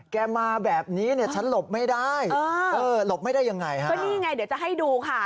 ก็นี่ไงเดี๋ยวจะให้ดูค่ะ